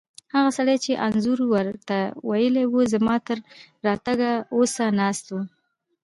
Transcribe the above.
هغه سړی چې انځور ور ته ویلي وو، زما تر راتګه اوسه ناست و.